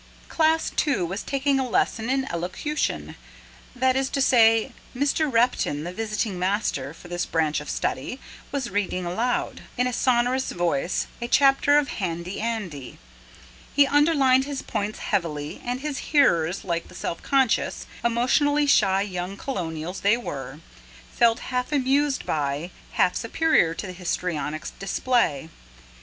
Class Two was taking a lesson in elocution: that is to say Mr. Repton, the visiting master for this branch of study, was reading aloud, in a sonorous voice, a chapter of HANDY ANDY. He underlined his points heavily, and his hearers, like the self conscious, emotionally shy young colonials they were, felt half amused by, half superior to the histrionic display.